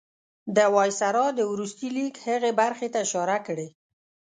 د وایسرا د وروستي لیک هغې برخې ته اشاره کړې.